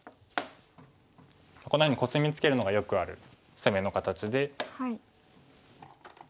こんなふうにコスミツケるのがよくある攻めの形で。